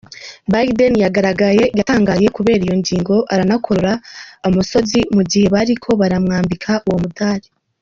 Biden yagaragaye yatangaye kubera iyo ngingo, aranakorora amosozi mu gihe bariko baramwambika uwo mudari.